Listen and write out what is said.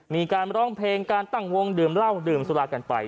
มีการร้องเพลงการตั้งวงดื่มเหล้าดื่มสุรากันไป